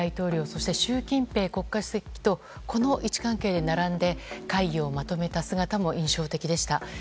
そして、習近平国家主席とこの位置関係で並んで会議をまとめた姿も印象的でした。